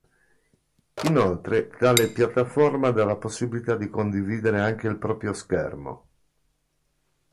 Inoltre tale piattaforma dà la possibilità di condividere anche il proprio schermo.